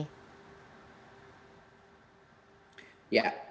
sejauh apa mas menteri persiapan untuk sekolah tatap muka ini